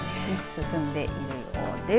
進んでいるようです。